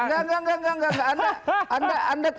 enggak enggak enggak